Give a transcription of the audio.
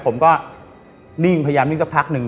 ผมก็นิ่งพยายามนิ่งสักพักหนึ่ง